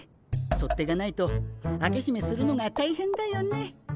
取っ手がないと開けしめするのが大変だよね。